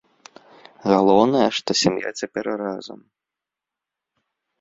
Галоўнае, што сям'я цяпер разам.